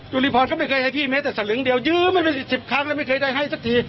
จุริพรก็ไม่เคยให้พี่แม้แต่สลึงเดียวยื้อมาเป็น๑๐ครั้งแล้วไม่เคยได้ให้สักที